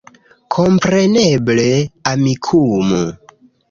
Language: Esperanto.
Kompreneble, Amikumu